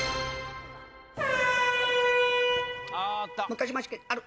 昔ましある。